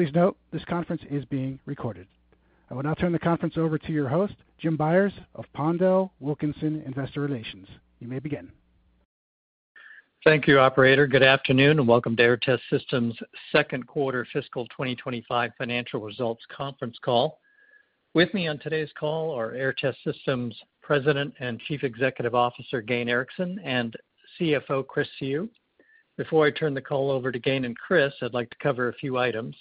Please note, this conference is being recorded. I will now turn the conference over to your host, Jim Byers of PondelWilkinson Investor Relations. You may begin. Thank you, Operator. Good afternoon and welcome to Aehr Test Systems' second quarter fiscal 2025 financial results conference call. With me on today's call are Aehr Test Systems President and Chief Executive Officer Gayn Erickson and CFO Chris Siu. Before I turn the call over to Gayn and Chris, I'd like to cover a few items.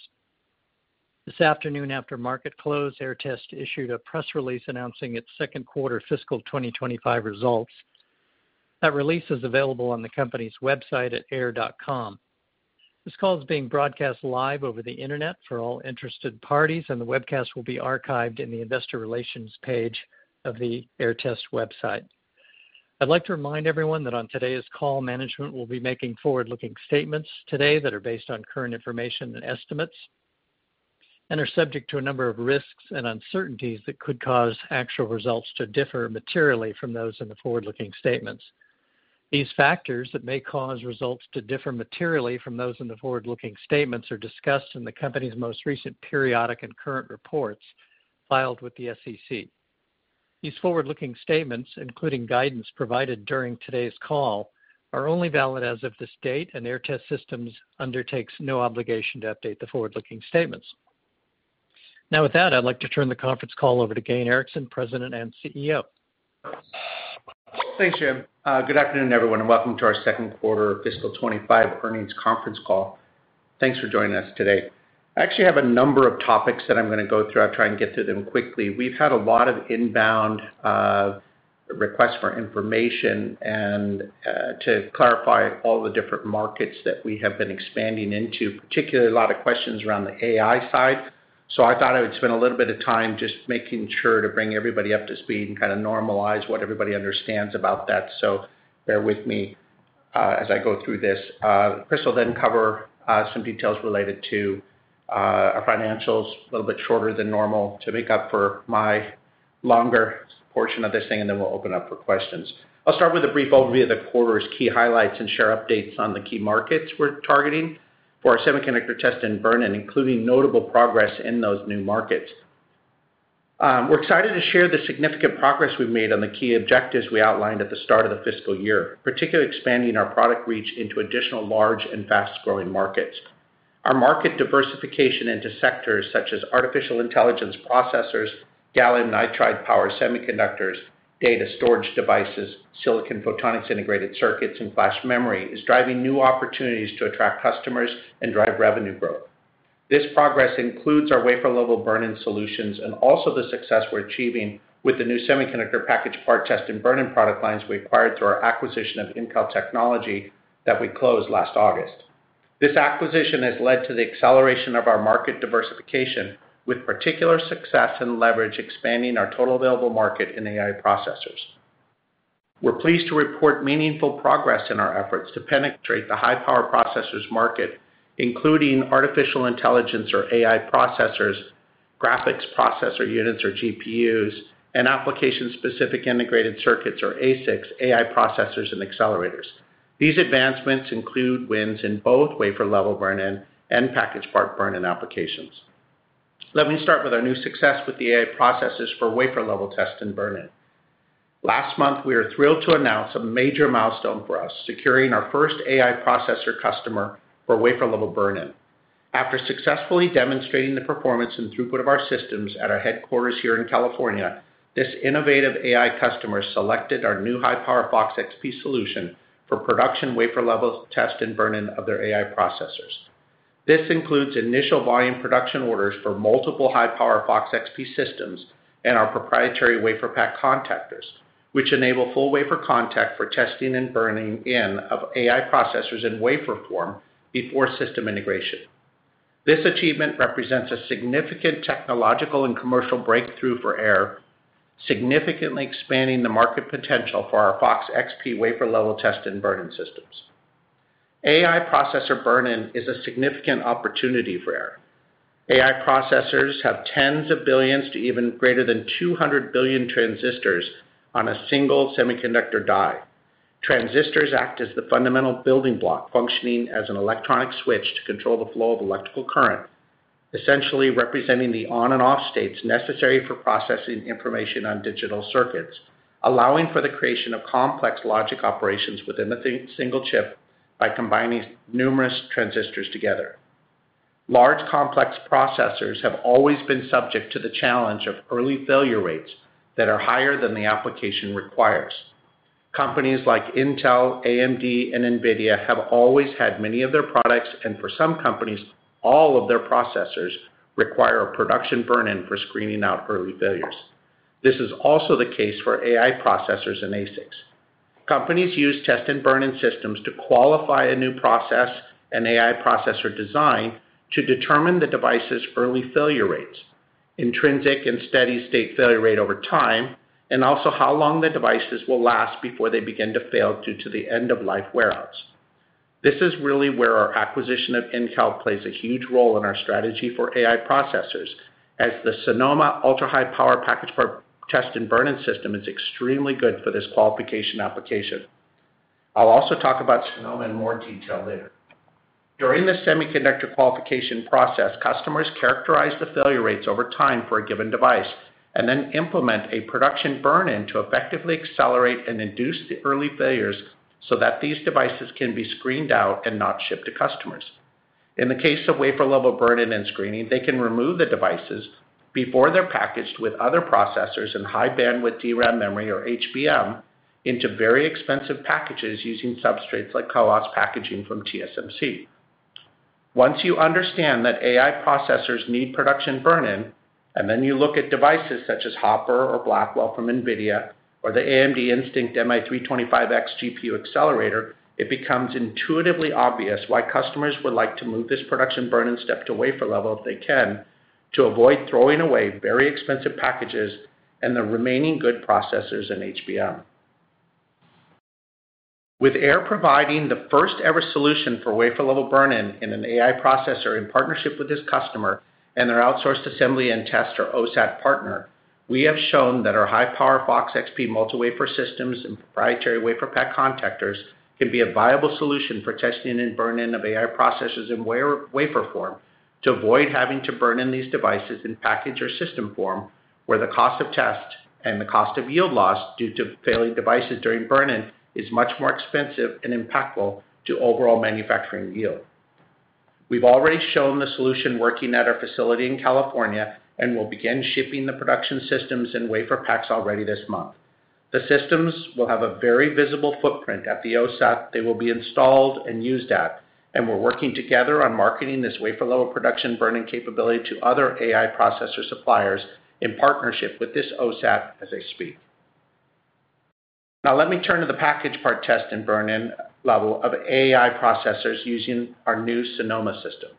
This afternoon, after market close, Aehr Test issued a press release announcing its second quarter fiscal 2025 results. That release is available on the company's website at aehr.com. This call is being broadcast live over the internet for all interested parties, and the webcast will be archived in the investor relations page of the Aehr Test website. I'd like to remind everyone that on today's call, management will be making forward-looking statements today that are based on current information and estimates and are subject to a number of risks and uncertainties that could cause actual results to differ materially from those in the forward-looking statements. These factors that may cause results to differ materially from those in the forward-looking statements are discussed in the company's most recent periodic and current reports filed with the SEC. These forward-looking statements, including guidance provided during today's call, are only valid as of this date, and Aehr Test Systems undertakes no obligation to update the forward-looking statements. Now, with that, I'd like to turn the conference call over to Gayn Erickson, President and CEO. Thanks, Jim. Good afternoon, everyone, and welcome to our second quarter fiscal 2025 earnings conference call. Thanks for joining us today. I actually have a number of topics that I'm going to go through. I'll try and get through them quickly. We've had a lot of inbound requests for information and to clarify all the different markets that we have been expanding into, particularly a lot of questions around the AI side. So I thought I would spend a little bit of time just making sure to bring everybody up to speed and kind of normalize what everybody understands about that. So bear with me as I go through this. Chris will then cover some details related to our financials, a little bit shorter than normal to make up for my longer portion of this thing, and then we'll open up for questions. I'll start with a brief overview of the quarter's key highlights and share updates on the key markets we're targeting for our semiconductor test and burn-in, including notable progress in those new markets. We're excited to share the significant progress we've made on the key objectives we outlined at the start of the fiscal year, particularly expanding our product reach into additional large and fast-growing markets. Our market diversification into sectors such as artificial intelligence processors, gallium nitride power semiconductors, data storage devices, silicon photonics integrated circuits, and flash memory is driving new opportunities to attract customers and drive revenue growth. This progress includes our wafer-level burn-in solutions and also the success we're achieving with the new semiconductor package part test and burn-in product lines we acquired through our acquisition of Incal Technology that we closed last August. This acquisition has led to the acceleration of our market diversification, with particular success and leverage expanding our total available market in AI processors. We're pleased to report meaningful progress in our efforts to penetrate the high-power processors market, including artificial intelligence or AI processors, graphics processor units or GPUs, and application-specific integrated circuits or ASICs, AI processors, and accelerators. These advancements include wins in both wafer-level burn-in and package part burn-in applications. Let me start with our new success with the AI processors for wafer-level test and burn-in. Last month, we were thrilled to announce a major milestone for us, securing our first AI processor customer for wafer-level burn-in. After successfully demonstrating the performance and throughput of our systems at our headquarters here in California, this innovative AI customer selected our new high-power Fox XP solution for production wafer-level test and burn-in of their AI processors. This includes initial volume production orders for multiple high-power Fox XP systems and our proprietary WaferPak contactors, which enable full wafer contact for testing and burning in of AI processors in wafer form before system integration. This achievement represents a significant technological and commercial breakthrough for Aehr, significantly expanding the market potential for our Fox XP wafer-level test and burn-in systems. AI processor burn-in is a significant opportunity for Aehr. AI processors have tens of billions to even greater than 200 billion transistors on a single semiconductor die. Transistors act as the fundamental building block, functioning as an electronic switch to control the flow of electrical current, essentially representing the on and off states necessary for processing information on digital circuits, allowing for the creation of complex logic operations within a single chip by combining numerous transistors together. Large complex processors have always been subject to the challenge of early failure rates that are higher than the application requires. Companies like Intel, AMD, and NVIDIA have always had many of their products, and for some companies, all of their processors require a production burn-in for screening out early failures. This is also the case for AI processors and ASICs. Companies use test and burn-in systems to qualify a new process and AI processor design to determine the device's early failure rates, intrinsic and steady-state failure rate over time, and also how long the devices will last before they begin to fail due to the end-of-life wearouts. This is really where our acquisition of Incal plays a huge role in our strategy for AI processors, as the Sonoma ultra-high power package part test and burn-in system is extremely good for this qualification application. I'll also talk about Sonoma in more detail later. During the semiconductor qualification process, customers characterize the failure rates over time for a given device and then implement a production burn-in to effectively accelerate and induce the early failures so that these devices can be screened out and not shipped to customers. In the case of wafer-level burn-in and screening, they can remove the devices before they're packaged with other processors and high-bandwidth DRAM memory or HBM into very expensive packages using substrates like CoWoS packaging from TSMC. Once you understand that AI processors need production burn-in, and then you look at devices such as Hopper or Blackwell from NVIDIA or the AMD Instinct MI325X GPU accelerator, it becomes intuitively obvious why customers would like to move this production burn-in step to wafer level if they can, to avoid throwing away very expensive packages and the remaining good processors and HBM. With Aehr providing the first-ever solution for wafer-level burn-in in an AI processor in partnership with this customer and their outsourced assembly and test or OSAT partner, we have shown that our high-power Fox XP multi-wafer systems and proprietary WaferPak contactors can be a viable solution for testing and burn-in of AI processors in wafer form to avoid having to burn in these devices in package or system form, where the cost of test and the cost of yield loss due to failing devices during burn-in is much more expensive and impactful to overall manufacturing yield. We've already shown the solution working at our facility in California and will begin shipping the production systems and WaferPaks already this month. The systems will have a very visible footprint at the OSAT they will be installed and used at, and we're working together on marketing this wafer-level production burn-in capability to other AI processor suppliers in partnership with this OSAT as they speak. Now, let me turn to the package part test and burn-in level of AI processors using our new Sonoma system.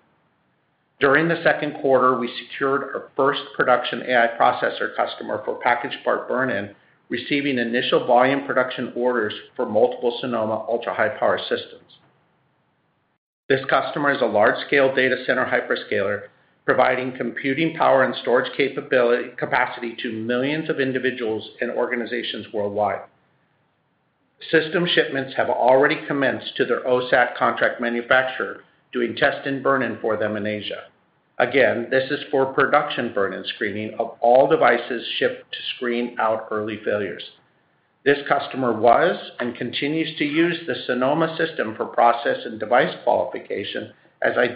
During the second quarter, we secured our first production AI processor customer for package part burn-in, receiving initial volume production orders for multiple Sonoma ultra-high power systems. This customer is a large-scale data center hyperscaler, providing computing power and storage capacity to millions of individuals and organizations worldwide. System shipments have already commenced to their OSAT contract manufacturer, doing test and burn-in for them in Asia. Again, this is for production burn-in screening of all devices shipped to screen out early failures. This customer was and continues to use the Sonoma system for process and device qualification, as I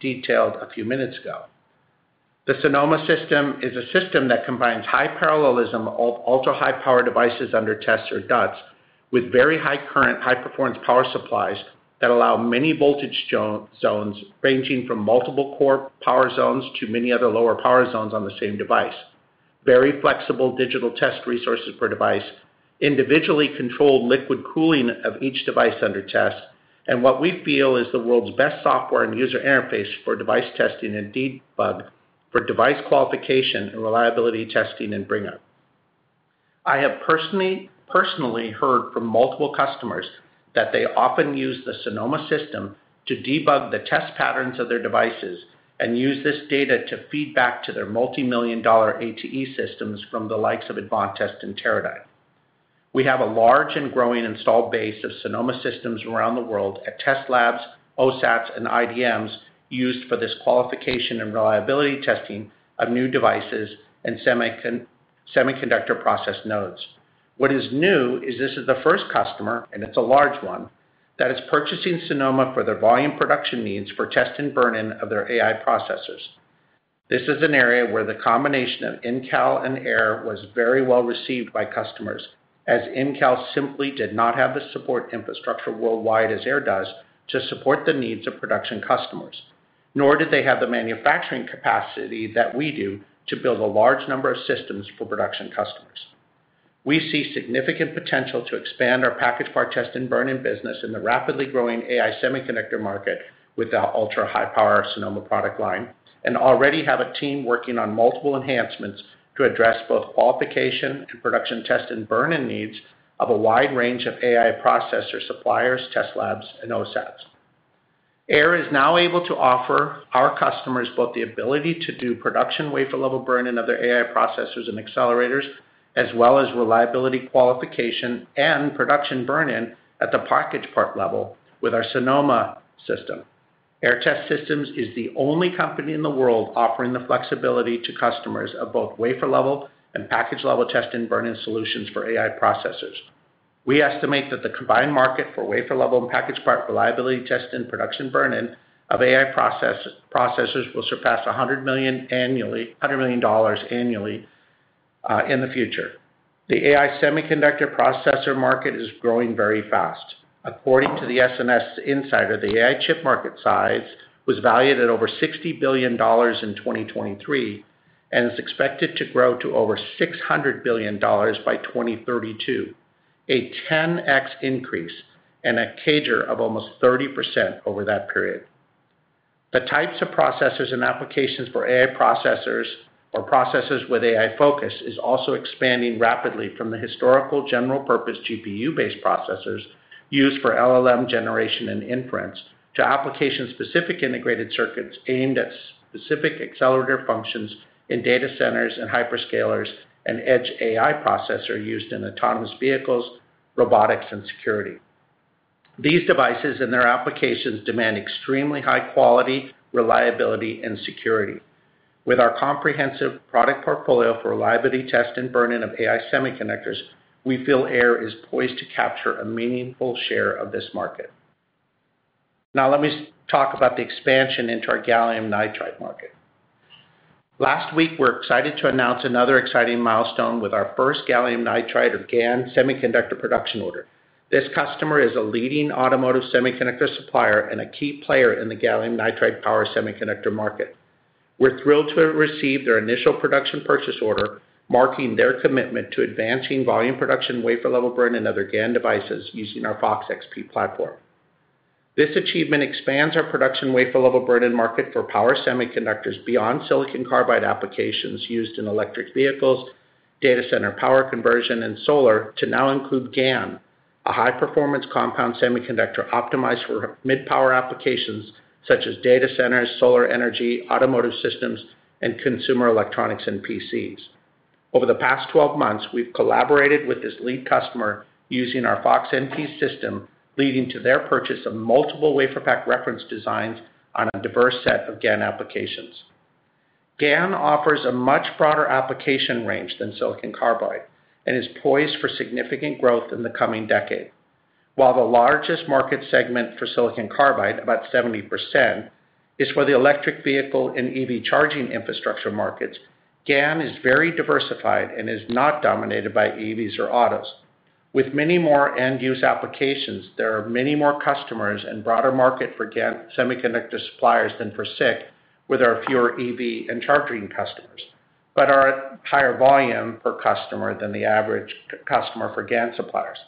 detailed a few minutes ago. The Sonoma system is a system that combines high parallelism of ultra-high power devices under test or DUTs, with very high current, high-performance power supplies that allow many voltage zones ranging from multiple core power zones to many other lower power zones on the same device, very flexible digital test resources per device, individually controlled liquid cooling of each device under test, and what we feel is the world's best software and user interface for device testing and debug for device qualification and reliability testing and bring-up. I have personally heard from multiple customers that they often use the Sonoma system to debug the test patterns of their devices and use this data to feed back to their multi-million dollar ATE systems from the likes of Advantest and Teradyne. We have a large and growing installed base of Sonoma systems around the world at test labs, OSATs, and IDMs used for this qualification and reliability testing of new devices and semiconductor process nodes. What is new is this is the first customer, and it's a large one, that is purchasing Sonoma for their volume production needs for test and burn-in of their AI processors. This is an area where the combination of Incal and Aehr was very well received by customers, as Incal simply did not have the support infrastructure worldwide as Aehr does to support the needs of production customers, nor did they have the manufacturing capacity that we do to build a large number of systems for production customers. We see significant potential to expand our package part test and burn-in business in the rapidly growing AI semiconductor market with the ultra-high power Sonoma product line, and already have a team working on multiple enhancements to address both qualification and production test and burn-in needs of a wide range of AI processor suppliers, test labs, and OSATs. Aehr is now able to offer our customers both the ability to do production wafer-level burn-in of their AI processors and accelerators, as well as reliability qualification and production burn-in at the package part level with our Sonoma system. Aehr Test Systems is the only company in the world offering the flexibility to customers of both wafer-level and package-level test and burn-in solutions for AI processors. We estimate that the combined market for wafer-level and package part reliability test and production burn-in of AI processors will surpass $100 million annually in the future. The AI semiconductor processor market is growing very fast. According to the SNS Insider, the AI chip market size was valued at over $60 billion in 2023 and is expected to grow to over $600 billion by 2032, a 10x increase and a CAGR of almost 30% over that period. The types of processors and applications for AI processors or processors with AI focus are also expanding rapidly from the historical general-purpose GPU-based processors used for LLM generation and inference to application-specific integrated circuits aimed at specific accelerator functions in data centers and hyperscalers and edge AI processors used in autonomous vehicles, robotics, and security. These devices and their applications demand extremely high quality, reliability, and security. With our comprehensive product portfolio for reliability test and burn-in of AI semiconductors, we feel Aehr is poised to capture a meaningful share of this market. Now, let me talk about the expansion into our gallium nitride market. Last week, we're excited to announce another exciting milestone with our first gallium nitride or GaN semiconductor production order. This customer is a leading automotive semiconductor supplier and a key player in the gallium nitride power semiconductor market. We're thrilled to receive their initial production purchase order, marking their commitment to advancing volume production wafer-level burn-in of their GaN devices using our Fox XP platform. This achievement expands our production wafer-level burn-in market for power semiconductors beyond silicon carbide applications used in electric vehicles, data center power conversion, and solar to now include GaN, a high-performance compound semiconductor optimized for mid-power applications such as data centers, solar energy, automotive systems, and consumer electronics and PCs. Over the past 12 months, we've collaborated with this lead customer using our Fox NP system, leading to their purchase of multiple WaferPak reference designs on a diverse set of GaN applications. GaN offers a much broader application range than silicon carbide and is poised for significant growth in the coming decade. While the largest market segment for silicon carbide, about 70%, is for the electric vehicle and EV charging infrastructure markets, GaN is very diversified and is not dominated by EVs or autos. With many more end-use applications, there are many more customers and broader market for GaN semiconductor suppliers than for SiC, where there are fewer EV and charging customers, but are at higher volume per customer than the average customer for GaN suppliers.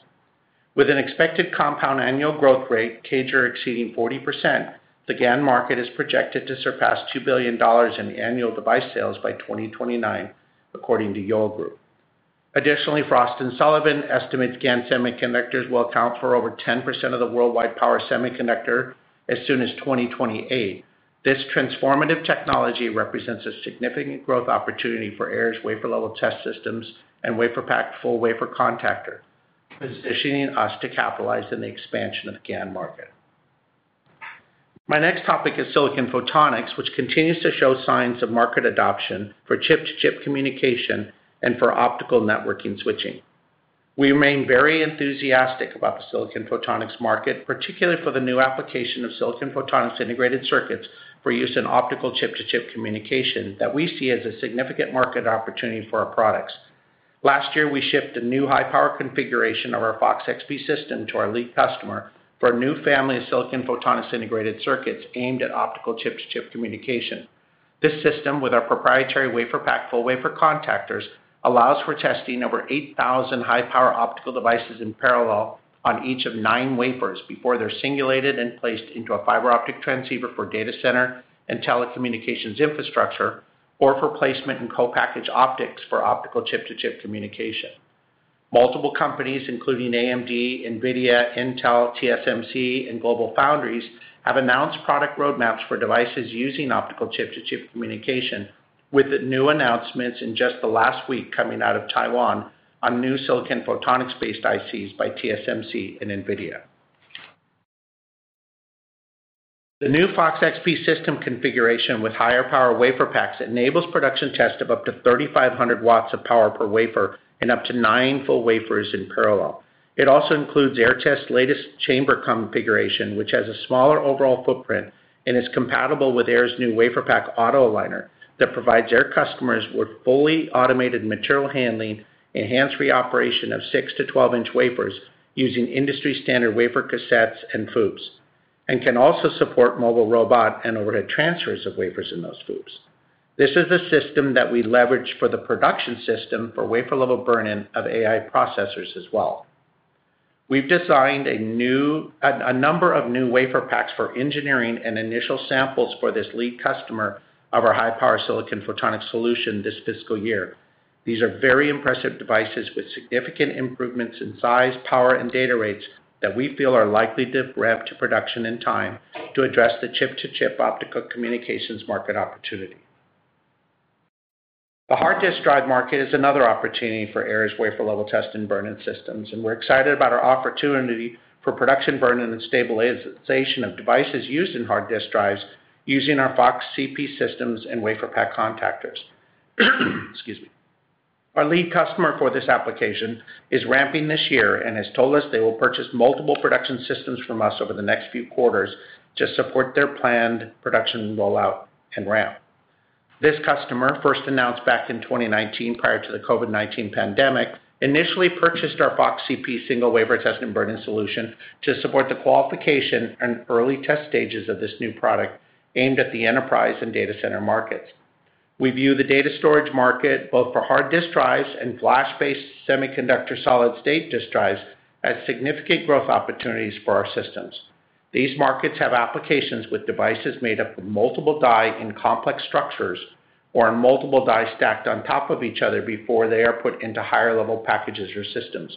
With an expected compound annual growth rate CAGR exceeding 40%, the GaN market is projected to surpass $2 billion in annual device sales by 2029, according to Yole Group. Additionally, Frost & Sullivan estimates GaN semiconductors will account for over 10% of the worldwide power semiconductor as soon as 2028. This transformative technology represents a significant growth opportunity for Aehr's wafer-level test systems and WaferPak full wafer contactor, positioning us to capitalize on the expansion of the GaN market. My next topic is silicon photonics, which continues to show signs of market adoption for chip-to-chip communication and for optical networking switching. We remain very enthusiastic about the silicon photonics market, particularly for the new application of silicon photonics integrated circuits for use in optical chip-to-chip communication that we see as a significant market opportunity for our products. Last year, we shipped a new high-power configuration of our Fox XP system to our lead customer for a new family of silicon photonics integrated circuits aimed at optical chip-to-chip communication. This system, with our proprietary WaferPak full wafer contactors, allows for testing over 8,000 high-power optical devices in parallel on each of nine wafers before they're singulated and placed into a fiber optic transceiver for data center and telecommunications infrastructure or for placement in co-package optics for optical chip-to-chip communication. Multiple companies, including AMD, NVIDIA, Intel, TSMC, and GlobalFoundries, have announced product roadmaps for devices using optical chip-to-chip communication, with new announcements in just the last week coming out of Taiwan on new silicon photonics-based ICs by TSMC and NVIDIA. The new Fox XP system configuration with higher power WaferPaks enables production tests of up to 3,500 watts of power per wafer and up to nine full wafers in parallel. It also includes Aehr Test's latest chamber configuration, which has a smaller overall footprint and is compatible with Aehr's new WaferPak Auto Aligner that provides Aehr customers with fully automated material handling, enhanced reoperation of six- to 12-inch wafers using industry-standard wafer cassettes and FOUPs, and can also support mobile robot and overhead transfers of wafers in those FOUPs. This is the system that we leverage for the production system for wafer-level burn-in of AI processors as well. We've designed a number of new WaferPaks for engineering and initial samples for this lead customer of our high-power silicon photonics solution this fiscal year. These are very impressive devices with significant improvements in size, power, and data rates that we feel are likely to ramp to production in time to address the chip-to-chip optical communications market opportunity. The hard disk drive market is another opportunity for Aehr's wafer-level test and burn-in systems, and we're excited about our opportunity for production burn-in and stabilization of devices used in hard disk drives using our Fox CP systems and WaferPak contactors. Our lead customer for this application is ramping this year and has told us they will purchase multiple production systems from us over the next few quarters to support their planned production rollout and ramp. This customer, first announced back in 2019 prior to the COVID-19 pandemic, initially purchased our Fox CP single wafer test and burn-in solution to support the qualification and early test stages of this new product aimed at the enterprise and data center markets. We view the data storage market both for hard disk drives and flash-based semiconductor solid-state disk drives as significant growth opportunities for our systems. These markets have applications with devices made up of multiple die and complex structures or multiple die stacked on top of each other before they are put into higher-level packages or systems.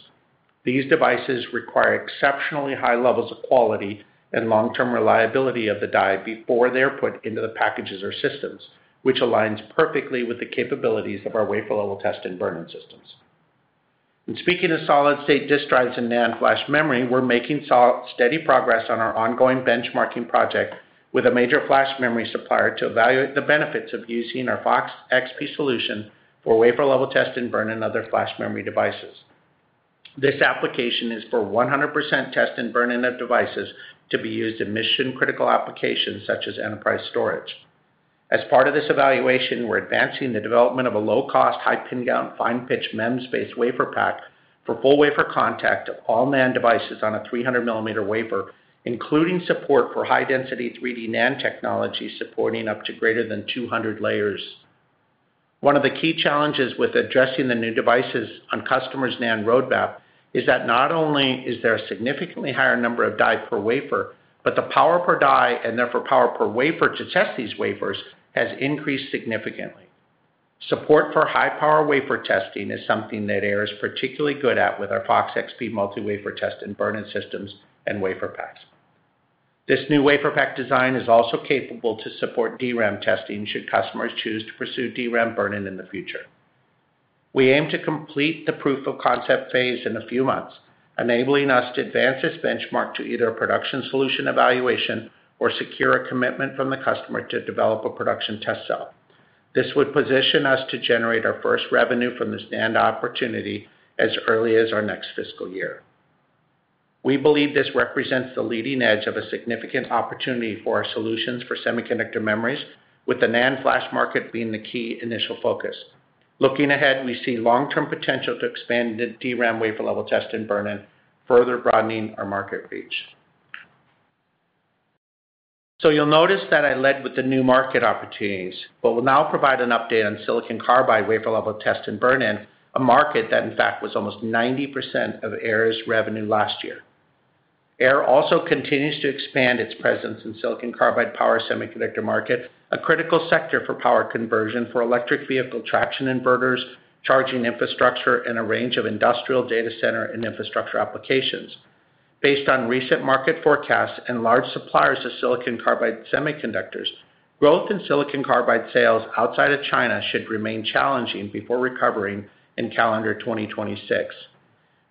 These devices require exceptionally high levels of quality and long-term reliability of the die before they are put into the packages or systems, which aligns perfectly with the capabilities of our wafer-level test and burn-in systems. In speaking of solid-state disk drives and NAND Flash memory, we're making steady progress on our ongoing benchmarking project with a major flash memory supplier to evaluate the benefits of using our Fox XP solution for wafer-level test and burn-in other flash memory devices. This application is for 100% test and burn-in of devices to be used in mission-critical applications such as enterprise storage. As part of this evaluation, we're advancing the development of a low-cost, high-pin count, fine-pitch MEMS-based WaferPak for full wafer contact of all NAND devices on a 300 millimeter wafer, including support for high-density 3D NAND technology supporting up to greater than 200 layers. One of the key challenges with addressing the new devices on customers' NAND roadmap is that not only is there a significantly higher number of die per wafer, but the power per die and therefore power per wafer to test these wafers has increased significantly. Support for high-power wafer testing is something that Aehr is particularly good at with our Fox XP multi-wafer test and burn-in systems and WaferPaks. This new WaferPak design is also capable to support DRAM testing should customers choose to pursue DRAM burn-in in the future. We aim to complete the proof of concept phase in a few months, enabling us to advance this benchmark to either a production solution evaluation or secure a commitment from the customer to develop a production test cell. This would position us to generate our first revenue from this NAND opportunity as early as our next fiscal year. We believe this represents the leading edge of a significant opportunity for our solutions for semiconductor memories, with the NAND flash market being the key initial focus. Looking ahead, we see long-term potential to expand the DRAM wafer-level test and burn-in, further broadening our market reach. So you'll notice that I led with the new market opportunities, but will now provide an update on silicon carbide wafer-level test and burn-in, a market that in fact was almost 90% of Aehr's revenue last year. Aehr also continues to expand its presence in silicon carbide power semiconductor market, a critical sector for power conversion for electric vehicle traction inverters, charging infrastructure, and a range of industrial data center and infrastructure applications. Based on recent market forecasts and large suppliers of silicon carbide semiconductors, growth in silicon carbide sales outside of China should remain challenging before recovering in calendar 2026.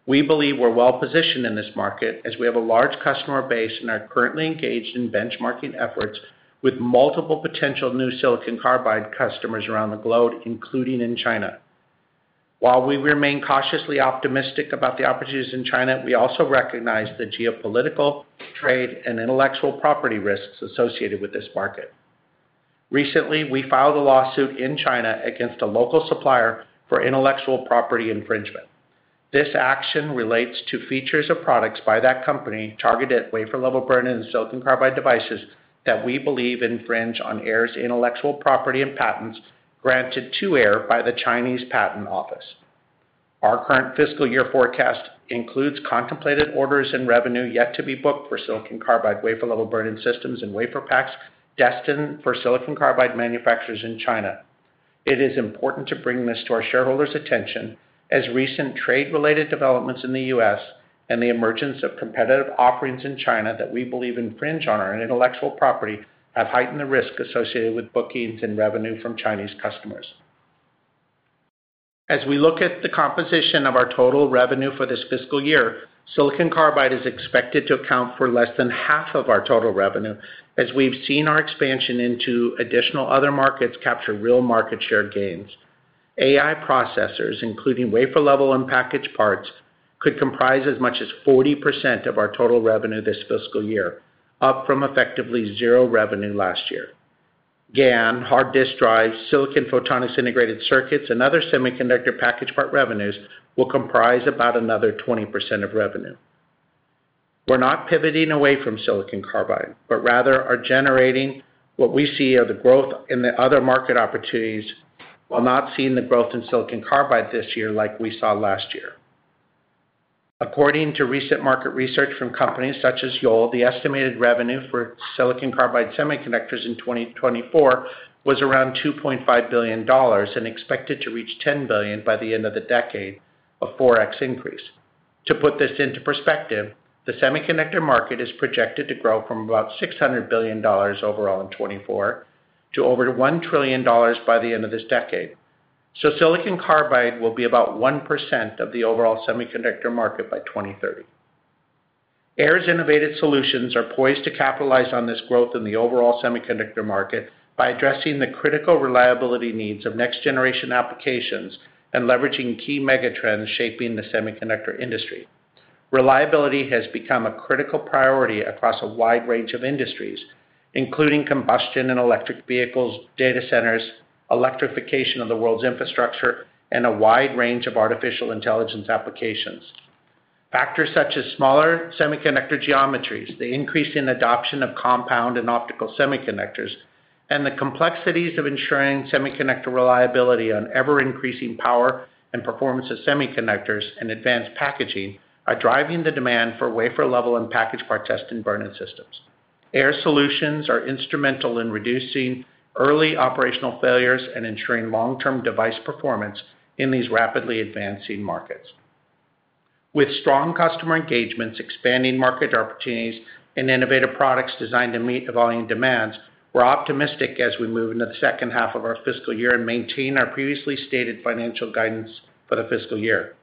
We believe we're well-positioned in this market as we have a large customer base and are currently engaged in benchmarking efforts with multiple potential new silicon carbide customers around the globe, including in China. While we remain cautiously optimistic about the opportunities in China, we also recognize the geopolitical, trade, and intellectual property risks associated with this market. Recently, we filed a lawsuit in China against a local supplier for intellectual property infringement. This action relates to features of products by that company targeted at wafer-level burn-in and silicon carbide devices that we believe infringe on Aehr's intellectual property and patents granted to Aehr by the Chinese Patent Office. Our current fiscal year forecast includes contemplated orders and revenue yet to be booked for silicon carbide wafer-level burn-in systems and WaferPaks destined for silicon carbide manufacturers in China. It is important to bring this to our shareholders' attention as recent trade-related developments in the U.S. and the emergence of competitive offerings in China that we believe infringe on our intellectual property have heightened the risk associated with bookings and revenue from Chinese customers. As we look at the composition of our total revenue for this fiscal year, silicon carbide is expected to account for less than half of our total revenue as we've seen our expansion into additional other markets capture real market share gains. AI processors, including wafer-level and package parts, could comprise as much as 40% of our total revenue this fiscal year, up from effectively zero revenue last year. GaN, hard disk drives, silicon photonics integrated circuits, and other semiconductor package part revenues will comprise about another 20% of revenue. We're not pivoting away from silicon carbide, but rather are generating what we see are the growth in the other market opportunities while not seeing the growth in silicon carbide this year like we saw last year. According to recent market research from companies such as Yole, the estimated revenue for silicon carbide semiconductors in 2024 was around $2.5 billion and expected to reach $10 billion by the end of the decade, a 4X increase. To put this into perspective, the semiconductor market is projected to grow from about $600 billion overall in 2024 to over $1 trillion by the end of this decade. So silicon carbide will be about 1% of the overall semiconductor market by 2030. Aehr's innovative solutions are poised to capitalize on this growth in the overall semiconductor market by addressing the critical reliability needs of next-generation applications and leveraging key megatrends shaping the semiconductor industry. Reliability has become a critical priority across a wide range of industries, including combustion and electric vehicles, data centers, electrification of the world's infrastructure, and a wide range of artificial intelligence applications. Factors such as smaller semiconductor geometries, the increase in adoption of compound and optical semiconductors, and the complexities of ensuring semiconductor reliability on ever-increasing power and performance of semiconductors and advanced packaging are driving the demand for wafer-level and package part test and burn-in systems. Aehr solutions are instrumental in reducing early operational failures and ensuring long-term device performance in these rapidly advancing markets. With strong customer engagements, expanding market opportunities, and innovative products designed to meet evolving demands, we're optimistic as we move into the second half of our fiscal year and maintain our previously stated financial guidance for the fiscal year.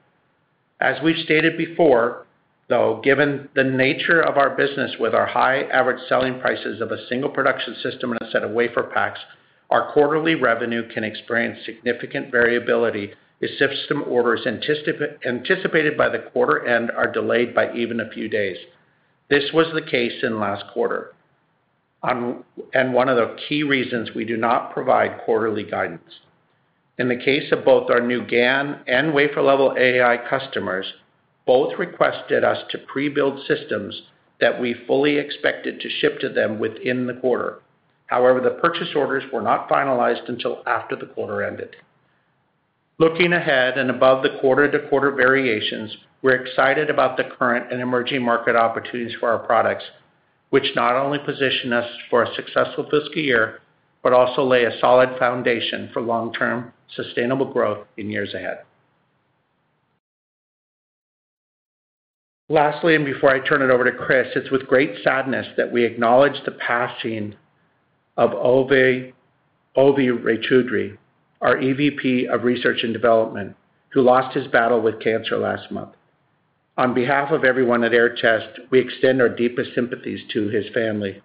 As we've stated before, though, given the nature of our business with our high average selling prices of a single production system and a set of WaferPaks, our quarterly revenue can experience significant variability if system orders anticipated by the quarter end are delayed by even a few days. This was the case in last quarter, and one of the key reasons we do not provide quarterly guidance. In the case of both our new GaN and wafer-level AI customers, both requested us to pre-build systems that we fully expected to ship to them within the quarter. However, the purchase orders were not finalized until after the quarter ended. Looking ahead and above the quarter-to-quarter variations, we're excited about the current and emerging market opportunities for our products, which not only position us for a successful fiscal year, but also lay a solid foundation for long-term sustainable growth in years ahead. Lastly, and before I turn it over to Chris, it's with great sadness that we acknowledge the passing of Avi Ray-Chaudhuri, our EVP of research and development, who lost his battle with cancer last month. On behalf of everyone at Aehr Test, we extend our deepest sympathies to his family.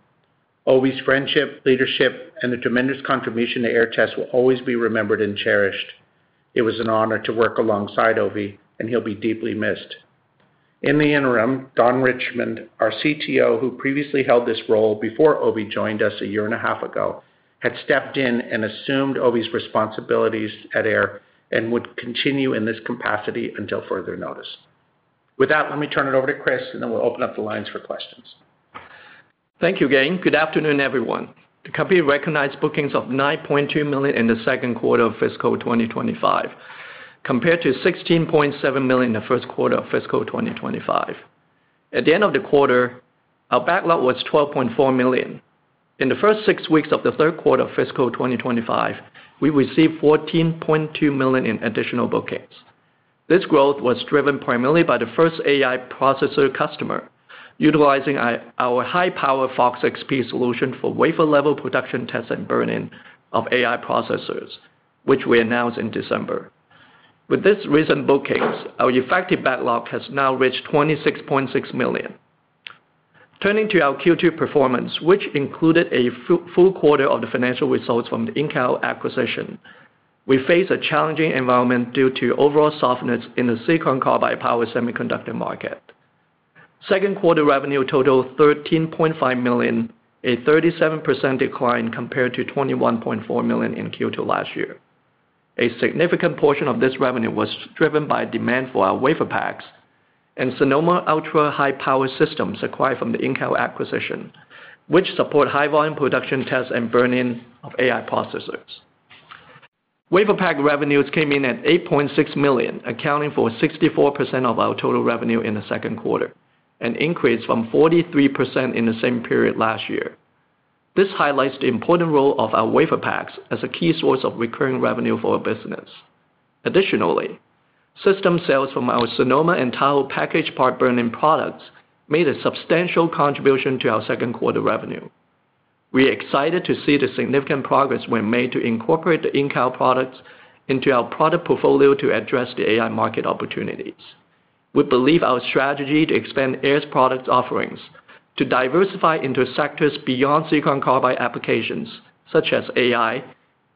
Avi's friendship, leadership, and the tremendous contribution to Aehr Test will always be remembered and cherished. It was an honor to work alongside Avi, and he'll be deeply missed. In the interim, Don Richmond, our CTO, who previously held this role before Avi joined us a year and a half ago, had stepped in and assumed Avi's responsibilities at Aehr and would continue in this capacity until further notice. With that, let me turn it over to Chris, and then we'll open up the lines for questions. Thank you, Gayn. Good afternoon, everyone. The company recognized bookings of $9.2 million in the second quarter of fiscal 2025, compared to $16.7 million in the first quarter of fiscal 2025. At the end of the quarter, our backlog was $12.4 million. In the first six weeks of the third quarter of fiscal 2025, we received $14.2 million in additional bookings. This growth was driven primarily by the first AI processor customer, utilizing our high-power Fox XP solution for wafer-level production test and burn-in of AI processors, which we announced in December. With this recent bookings, our effective backlog has now reached $26.6 million. Turning to our Q2 performance, which included a full quarter of the financial results from the Incal acquisition, we faced a challenging environment due to overall softness in the silicon carbide power semiconductor market. Second quarter revenue totaled $13.5 million, a 37% decline compared to $21.4 million in Q2 last year. A significant portion of this revenue was driven by demand for our WaferPaks and Sonoma ultra-high-power systems acquired from the Incal acquisition, which support high-volume production test and burn-in of AI processors. WaferPak revenues came in at $8.6 million, accounting for 64% of our total revenue in the second quarter, an increase from 43% in the same period last year. This highlights the important role of our WaferPaks as a key source of recurring revenue for our business. Additionally, system sales from our Sonoma and Tahoe package part burn-in products made a substantial contribution to our second quarter revenue. We are excited to see the significant progress we made to incorporate the Incal products into our product portfolio to address the AI market opportunities. We believe our strategy to expand Aehr's product offerings to diversify into sectors beyond silicon carbide applications, such as AI,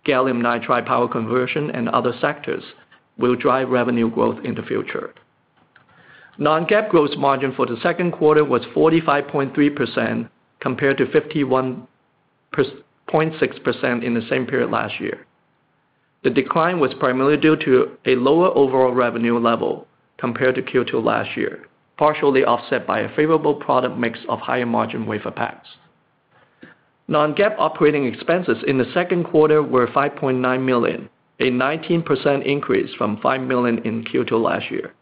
gallium nitride power conversion, and other sectors, will drive revenue growth in the future. Non-GAAP gross margin for the second quarter was 45.3% compared to 51.6% in the same period last year. The decline was primarily due to a lower overall revenue level compared to Q2 last year, partially offset by a favorable product mix of higher margin WaferPaks. Non-GAAP operating expenses in the second quarter were $5.9 million, a 19% increase from $5 million in Q2 last year.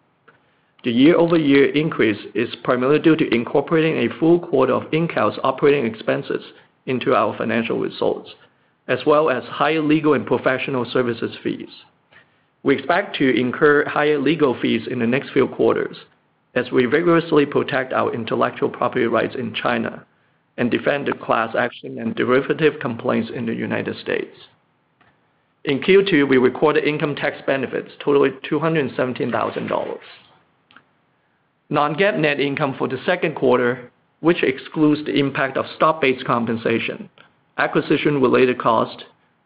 The year-over-year increase is primarily due to incorporating a full quarter of Incal's operating expenses into our financial results, as well as high legal and professional services fees. We expect to incur higher legal fees in the next few quarters as we vigorously protect our intellectual property rights in China and defend the class action and derivative complaints in the United States. In Q2, we recorded income tax benefits totaling $217,000. Non-GAAP net income for the second quarter, which excludes the impact of stock-based compensation, acquisition-related cost,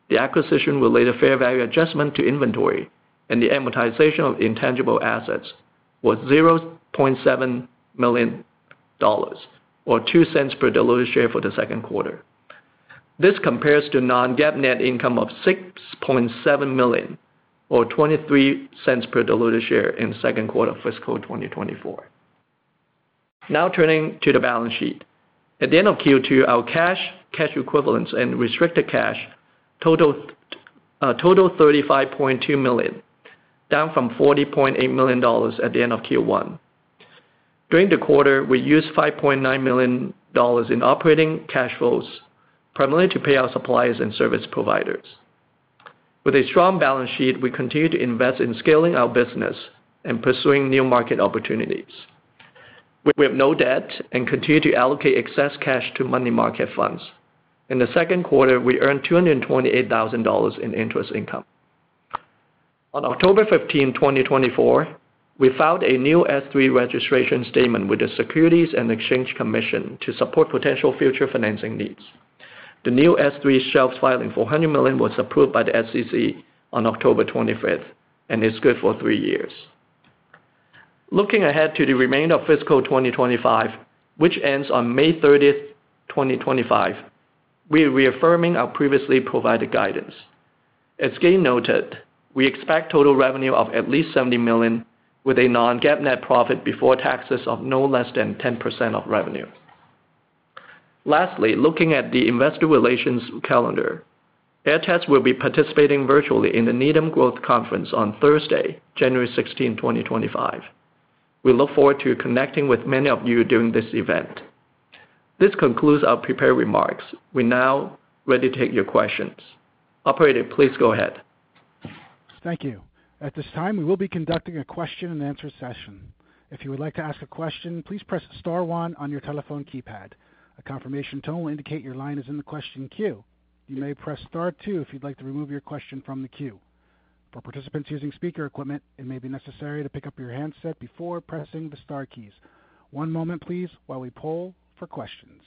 the acquisition-related fair value adjustment to inventory, and the amortization of intangible assets, was $0.7 million, or $0.02 per diluted share for the second quarter. This compares to non-GAAP net income of $6.7 million, or $0.23 per diluted share in the second quarter of fiscal 2024. Now turning to the balance sheet. At the end of Q2, our cash, cash equivalents, and restricted cash totaled $35.2 million, down from $40.8 million at the end of Q1. During the quarter, we used $5.9 million in operating cash flows, primarily to pay our suppliers and service providers. With a strong balance sheet, we continue to invest in scaling our business and pursuing new market opportunities. We have no debt and continue to allocate excess cash to money market funds. In the second quarter, we earned $228,000 in interest income. On October 15, 2024, we filed a new S-3 registration statement with the Securities and Exchange Commission to support potential future financing needs. The new S-3 shelf filing for $100 million was approved by the SEC on October 25, 2024 and is good for three years. Looking ahead to the remainder of fiscal 2025, which ends on May 30, 2025, we are reaffirming our previously provided guidance. As Gayn noted, we expect total revenue of at least $70 million with a non-GAAP net profit before taxes of no less than 10% of revenue. Lastly, looking at the investor relations calendar, Aehr Test will be participating virtually in the Needham Growth Conference on Thursday, January 16, 2025. We look forward to connecting with many of you during this event. This concludes our prepared remarks. We're now ready to take your questions. Operator, please go ahead. Thank you. At this time, we will be conducting a question-and-answer session. If you would like to ask a question, please press star one on your telephone keypad. A confirmation tone will indicate your line is in the question queue. You may press star two if you'd like to remove your question from the queue. For participants using speaker equipment, it may be necessary to pick up your handset before pressing the star keys. One moment, please, while we poll for questions.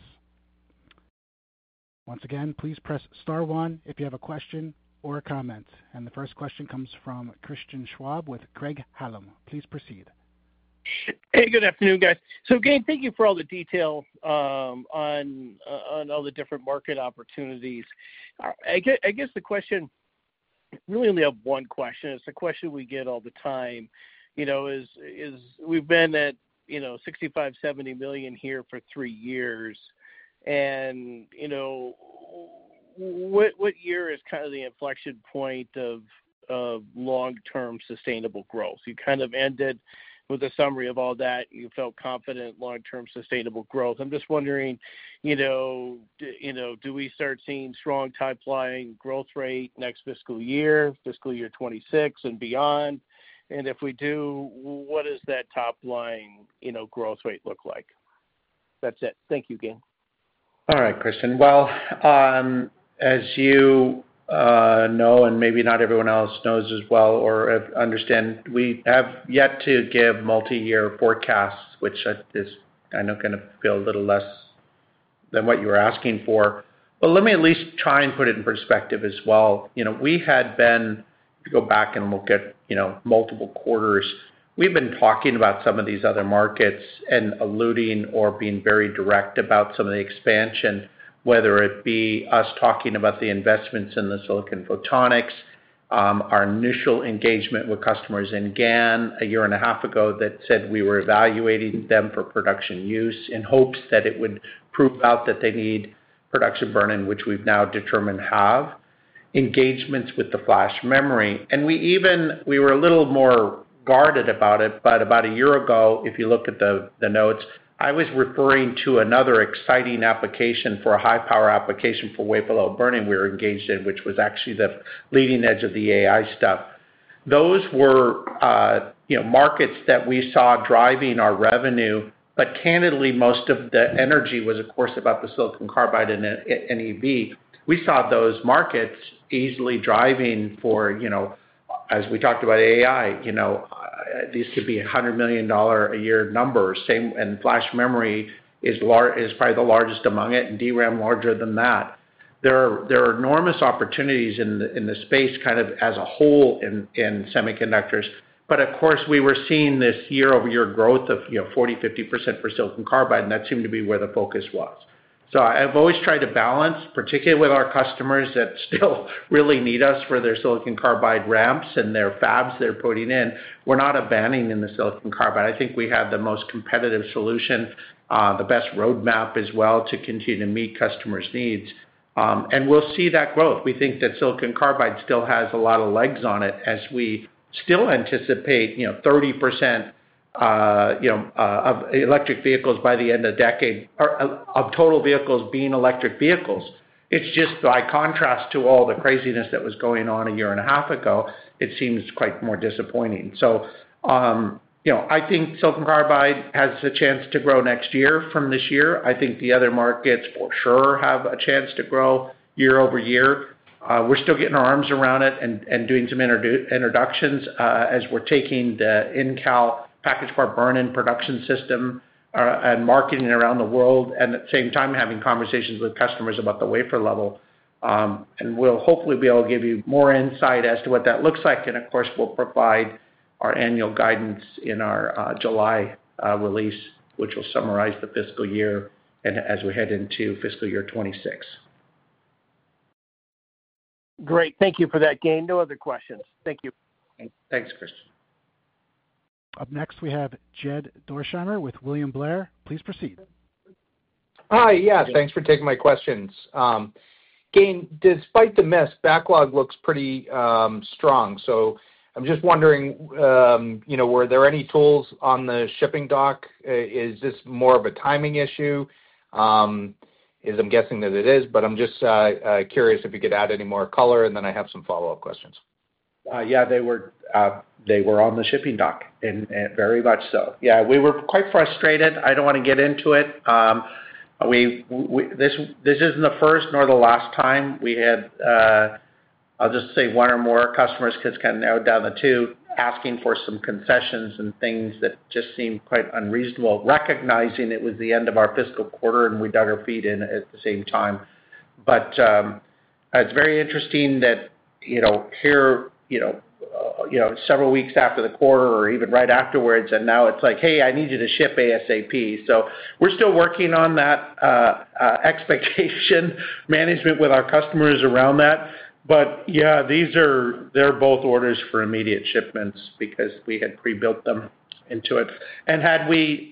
Once again, please press star one if you have a question or a comment. The first question comes from Christian Schwab with Craig-Hallum. Please proceed. Hey, good afternoon, guys. So Gayn, thank you for all the detail on all the different market opportunities. I guess the question really only has one question. It's a question we get all the time. We've been at $65-$70 million here for three years. What year is kind of the inflection point of long-term sustainable growth? You kind of ended with a summary of all that. You felt confident in long-term sustainable growth. I'm just wondering, do we start seeing strong top-line growth rate next fiscal year, fiscal year 2026 and beyond? And if we do, what does that top-line growth rate look like? That's it. Thank you, Gayn. All right, Christian. Well, as you know, and maybe not everyone else knows as well or understands, we have yet to give multi-year forecasts, which I know kind of feel a little less than what you were asking for. But let me at least try and put it in perspective as well. We had been, if you go back and look at multiple quarters, we've been talking about some of these other markets and alluding or being very direct about some of the expansion, whether it be us talking about the investments in the silicon photonics, our initial engagement with customers in GaN a year and a half ago that said we were evaluating them for production use in hopes that it would prove out that they need production burn-in, which we've now determined have engagements with the flash memory, and we were a little more guarded about it, but about a year ago, if you look at the notes, I was referring to another exciting application for a high-power application for wafer-level burn-in we were engaged in, which was actually the leading edge of the AI stuff. Those were markets that we saw driving our revenue, but candidly, most of the energy was, of course, about the silicon carbide and EV. We saw those markets easily driving for, as we talked about AI, these could be $100 million a year numbers. And flash memory is probably the largest among it, and DRAM larger than that. There are enormous opportunities in the space kind of as a whole in semiconductors. But of course, we were seeing this year-over-year growth of 40%-50% for silicon carbide, and that seemed to be where the focus was. So I've always tried to balance, particularly with our customers that still really need us for their silicon carbide ramps and their fabs they're putting in. We're not abandoning the silicon carbide. I think we have the most competitive solution, the best roadmap as well to continue to meet customers' needs. We'll see that growth. We think that silicon carbide still has a lot of legs on it as we still anticipate 30% of electric vehicles by the end of the decade of total vehicles being electric vehicles. It's just, by contrast to all the craziness that was going on a year and a half ago, it seems quite more disappointing. I think silicon carbide has a chance to grow next year from this year. I think the other markets for sure have a chance to grow year over year. We're still getting our arms around it and doing some introductions as we're taking the Incal package part burn-in production system and marketing it around the world, and at the same time, having conversations with customers about the wafer level. We'll hopefully be able to give you more insight as to what that looks like. And of course, we'll provide our annual guidance in our July release, which will summarize the fiscal year and as we head into fiscal year 2026. Great. Thank you for that, Gayn. No other questions. Thank you. Thanks, Christian. Up next, we have Jed Dorsheimer with William Blair. Please proceed. Hi. Yeah. Thanks for taking my questions. Gayn, despite the miss, backlog looks pretty strong. So I'm just wondering, were there any tools on the shipping dock? Is this more of a timing issue? I'm guessing that it is, but I'm just curious if you could add any more color, and then I have some follow-up questions. Yeah, they were on the shipping dock, and very much so. Yeah, we were quite frustrated. I don't want to get into it. This isn't the first nor the last time we had, I'll just say, one or more customers, because kind of narrowed down to two, asking for some concessions and things that just seemed quite unreasonable, recognizing it was the end of our fiscal quarter and we dug our feet in at the same time but it's very interesting that here, several weeks after the quarter or even right afterwards, and now it's like, "Hey, I need you to ship ASAP" so we're still working on that expectation management with our customers around that but yeah, they're both orders for immediate shipments because we had pre-built them into it and had we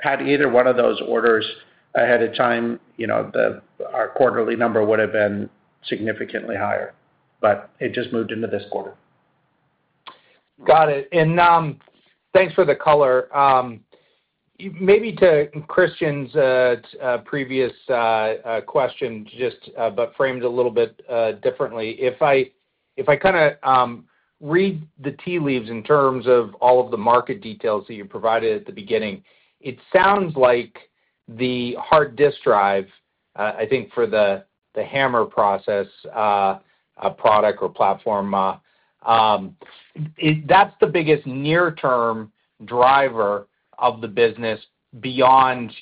had either one of those orders ahead of time, our quarterly number would have been significantly higher but it just moved into this quarter. Got it, and thanks for the color. Maybe to Christian's previous question, just but framed a little bit differently. If I kind of read the tea leaves in terms of all of the market details that you provided at the beginning, it sounds like the hard disk drive, I think, for the HAMR process product or platform, that's the biggest near-term driver of the business beyond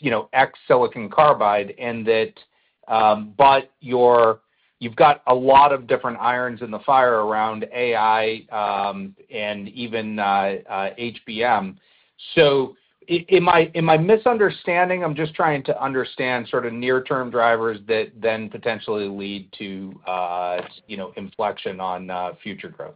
silicon carbide, but you've got a lot of different irons in the fire around AI and even HBM. So am I misunderstanding? I'm just trying to understand sort of near-term drivers that then potentially lead to inflection on future growth.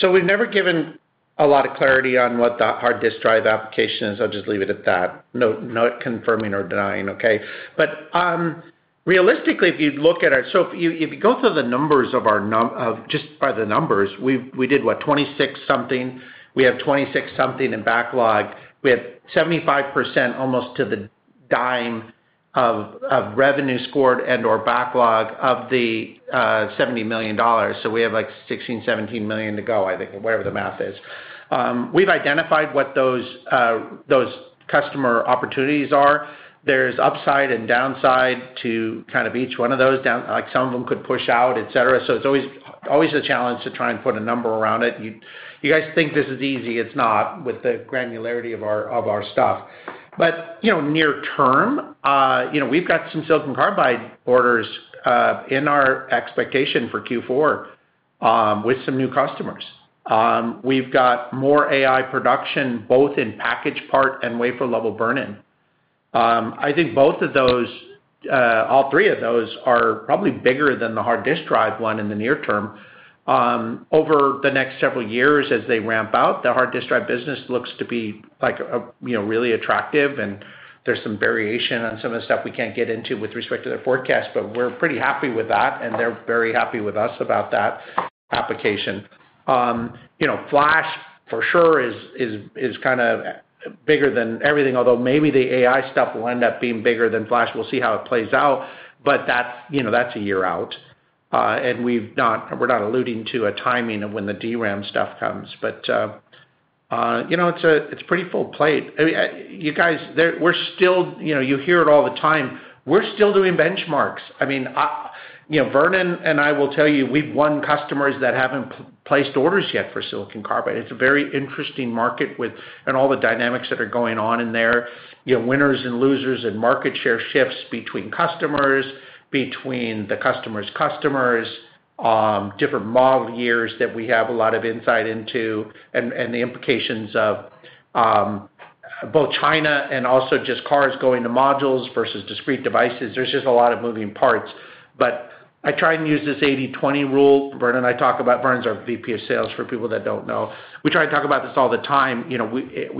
So we've never given a lot of clarity on what the hard disk drive application is. I'll just leave it at that. Not confirming or denying, okay? But realistically, if you look at our so if you go through the numbers of our just by the numbers, we did what? 26 something. We have 26 something in backlog. We have 75% almost to the dime of revenue scored and/or backlog of the $70 million. So we have like 16, 17 million to go, I think, whatever the math is. We've identified what those customer opportunities are. There's upside and downside to kind of each one of those. Some of them could push out, etc. So it's always a challenge to try and put a number around it. You guys think this is easy. It's not with the granularity of our stuff. But near term, we've got some silicon carbide orders in our expectation for Q4 with some new customers. We've got more AI production, both in package part and wafer-level burn-in. I think both of those, all three of those, are probably bigger than the hard disk drive one in the near term. Over the next several years, as they ramp out, the hard disk drive business looks to be really attractive. And there's some variation on some of the stuff we can't get into with respect to their forecast, but we're pretty happy with that. And they're very happy with us about that application. Flash, for sure, is kind of bigger than everything, although maybe the AI stuff will end up being bigger than flash. We'll see how it plays out. But that's a year out. And we're not alluding to a timing of when the DRAM stuff comes. But it's a pretty full plate. You guys, we're still. You hear it all the time. We're still doing benchmarks. I mean, Vernon and I will tell you, we've won customers that haven't placed orders yet for silicon carbide. It's a very interesting market with all the dynamics that are going on in there, winners and losers and market share shifts between customers, between the customer's customers, different model years that we have a lot of insight into, and the implications of both China and also just cars going to modules versus discrete devices. There's just a lot of moving parts. But I try and use this 80/20 rule. Vernon and I talk about this all the time. Vernon is our VP of sales for people that don't know. We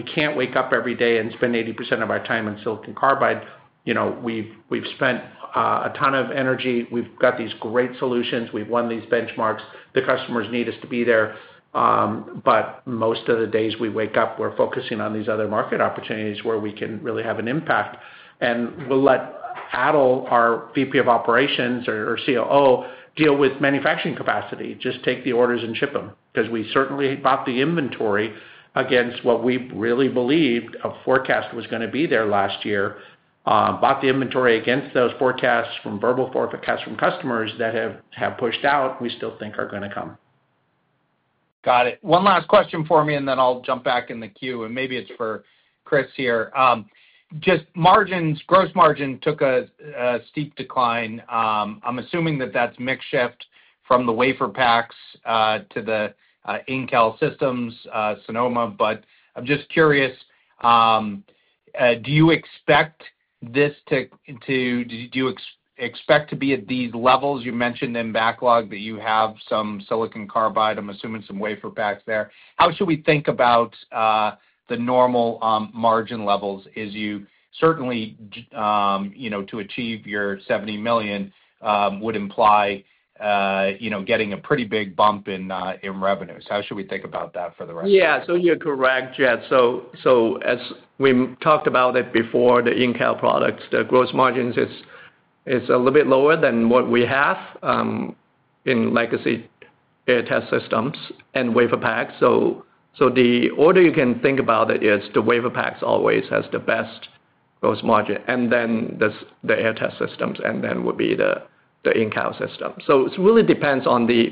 can't wake up every day and spend 80% of our time on silicon carbide. We've spent a ton of energy. We've got these great solutions. We've won these benchmarks. The customers need us to be there. But most of the days we wake up, we're focusing on these other market opportunities where we can really have an impact. We'll let Adil, our VP of operations or COO, deal with manufacturing capacity. Just take the orders and ship them. Because we certainly bought the inventory against what we really believed a forecast was going to be there last year. Bought the inventory against those forecasts from verbal forecasts from customers that have pushed out, we still think are going to come. Got it. One last question for me, and then I'll jump back in the queue. Maybe it's for Chris here. Just margins, gross margin took a steep decline. I'm assuming that that's mixed shift from the WaferPaks to the Incal systems, Sonoma. But I'm just curious, do you expect this to be at these levels? You mentioned in backlog that you have some silicon carbide. I'm assuming some WaferPaks there. How should we think about the normal margin levels? Certainly, to achieve your $70 million would imply getting a pretty big bump in revenue. So how should we think about that for the rest of the year? Yeah. So you're correct, Jed. So as we talked about it before, the Incal products, the gross margins is a little bit lower than what we have in legacy Aehr Test Systems and WaferPaks. So the order you can think about it is the WaferPaks always has the best gross margin. And then the Aehr Test Systems, and then would be the Incal system. So it really depends on the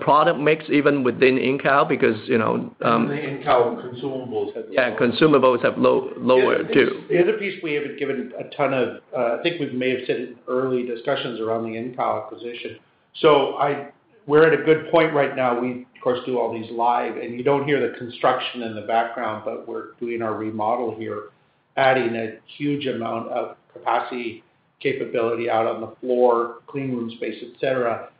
product mix even within Incal because the Incal consumables have lower too. Yeah, consumables have lower too. The other piece we haven't given a ton of, I think we may have said in early discussions around the Incal acquisition. So we're at a good point right now. We, of course, do all these live. And you don't hear the construction in the background, but we're doing our remodel here, adding a huge amount of capacity, capability out on the floor, clean room space, etc.,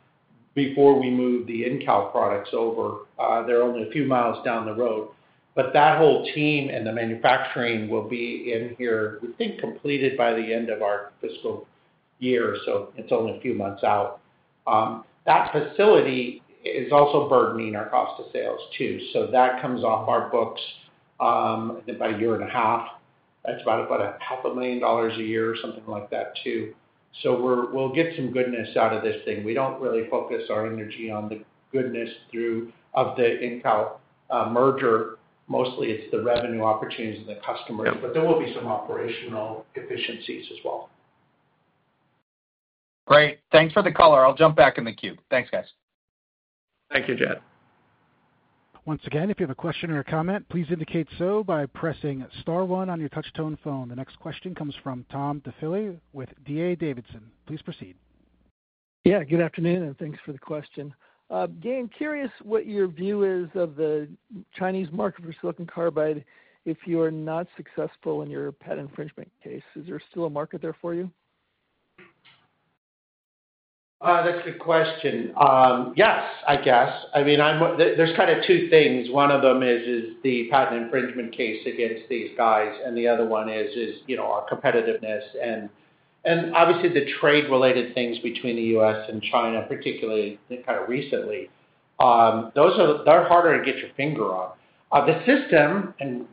before we move the Incal products over. They're only a few miles down the road. But that whole team and the manufacturing will be in here, we think completed by the end of our fiscal year. So it's only a few months out. That facility is also burdening our cost of sales too. So that comes off our books by a year and a half. That's about $500,000 a year, something like that too. So we'll get some goodness out of this thing. We don't really focus our energy on the goodness of the Incal merger. Mostly, it's the revenue opportunities and the customers. But there will be some operational efficiencies as well. Great. Thanks for the color. I'll jump back in the queue. Thanks, guys. Thank you, Jed. Once again, if you have a question or a comment, please indicate so by pressing star one on your touch-tone phone. The next question comes from Tom Diffely with DA Davidson. Please proceed. Yeah. Good afternoon, and thanks for the question. Gayn, curious what your view is of the Chinese market for silicon carbide if you're not successful in your patent infringement case. Is there still a market there for you? That's a good question. Yes, I guess. I mean, there's kind of two things. One of them is the patent infringement case against these guys, and the other one is our competitiveness, and obviously, the trade-related things between the U.S. and China, particularly kind of recently, those are harder to get your finger on. The system, and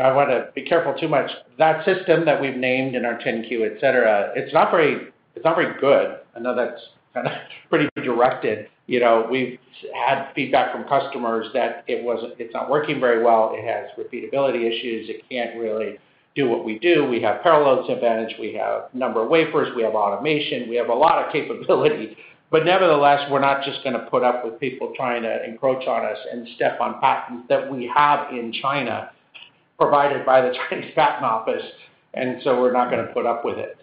I want to be careful too much, that system that we've named in our 10-Q, etc., it's not very good. I know that's kind of pretty directed. We've had feedback from customers that it's not working very well. It has repeatability issues. It can't really do what we do. We have parallel advantage. We have a number of wafers. We have automation. We have a lot of capability, but nevertheless, we're not just going to put up with people trying to encroach on us and step on patents that we have in China provided by the Chinese patent office. We're not going to put up with it.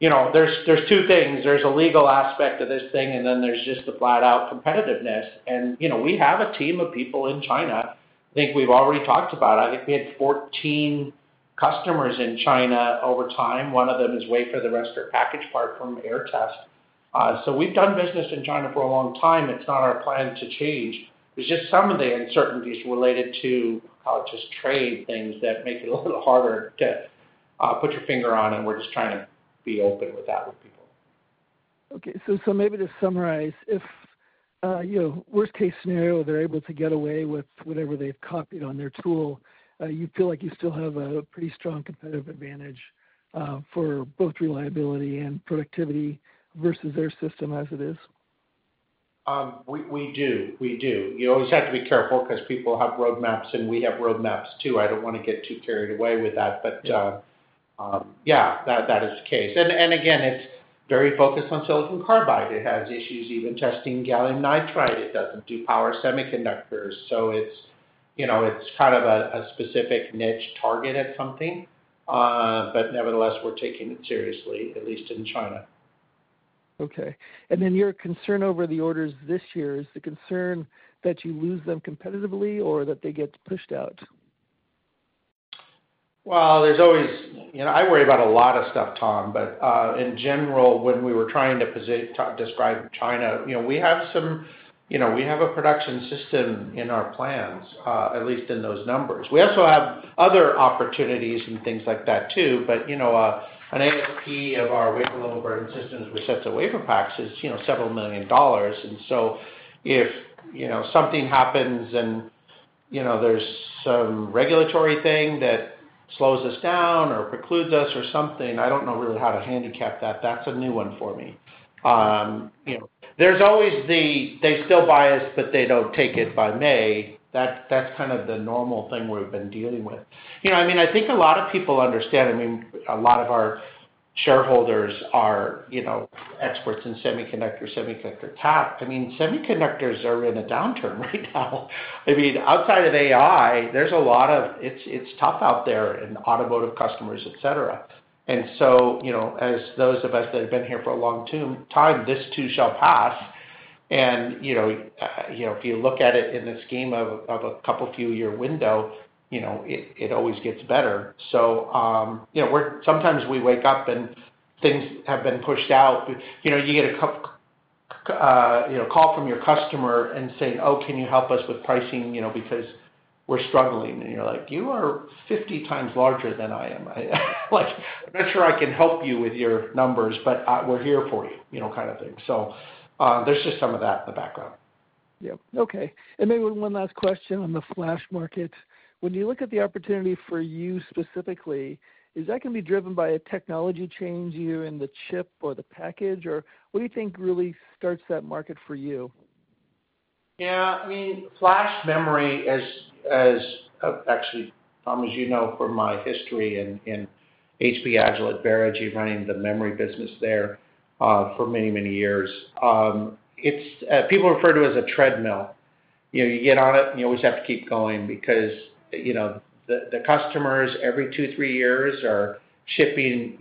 There's two things. There's a legal aspect of this thing, and then there's just the flat-out competitiveness. We have a team of people in China. I think we've already talked about it. I think we had 14 customers in China over time. One of them is a WaferPak-based package part from Aehr Test. We've done business in China for a long time. It's not our plan to change. There's just some of the uncertainties related to U.S. trade things that make it a little harder to put your finger on. We're just trying to be open with that with people. Okay. So maybe to summarize, if worst-case scenario, they're able to get away with whatever they've copied on their tool, you feel like you still have a pretty strong competitive advantage for both reliability and productivity versus their system as it is? We do. We do. You always have to be careful because people have roadmaps, and we have roadmaps too. I don't want to get too carried away with that. But yeah, that is the case. And again, it's very focused on silicon carbide. It has issues even testing gallium nitride. It doesn't do power semiconductors. So it's kind of a specific niche target at something. But nevertheless, we're taking it seriously, at least in China. Okay. And then your concern over the orders this year is the concern that you lose them competitively or that they get pushed out? Well, there's always I worry about a lot of stuff, Tom. But in general, when we were trying to describe China, we have a production system in our plans, at least in those numbers. We also have other opportunities and things like that too. But an ASP of our wafer-level burn-in systems, which uses a WaferPak, is several million dollars. And so if something happens and there's some regulatory thing that slows us down or precludes us or something, I don't know really how to handicap that. That's a new one for me. There's always the, "They still buy us, but they don't take it by May." That's kind of the normal thing we've been dealing with. I mean, I think a lot of people understand. I mean, a lot of our shareholders are experts in semiconductor tech. I mean, semiconductors are in a downturn right now. I mean, outside of AI, there's a lot of it's tough out there in automotive customers, etc., and so as those of us that have been here for a long time, this too shall pass, and if you look at it in the scheme of a couple-of-year window, it always gets better, so sometimes we wake up and things have been pushed out. You get a call from your customer and saying, "Oh, can you help us with pricing because we're struggling?" And you're like, "You are 50 times larger than I am. I'm not sure I can help you with your numbers, but we're here for you," kind of thing, so there's just some of that in the background. Yeah. Okay, and maybe one last question on the flash market. When you look at the opportunity for you specifically, is that going to be driven by a technology change either in the chip or the package? Or what do you think really starts that market for you? Yeah. I mean, flash memory is actually, Tom, as you know from my history in HP/Agilent era running the memory business there for many, many years. People refer to it as a treadmill. You get on it, and you always have to keep going because the customers every two, three years are shipping